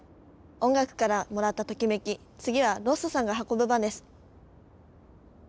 音楽からもらったトキメキ次はロッソさんが運ぶ番です。